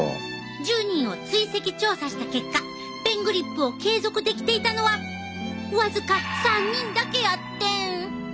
１０人を追跡調査した結果ペングリップを継続できていたのは僅か３人だけやってん。